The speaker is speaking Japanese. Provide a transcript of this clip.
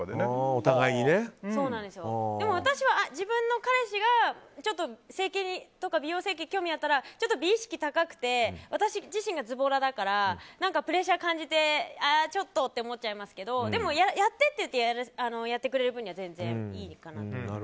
私は、自分の彼氏が整形とか美容整形興味があったら、美意識が高くて私自身がずぼらだからプレッシャー感じてちょっとって思っちゃいますけどやってって言ってやってくれる分には全然いいかな。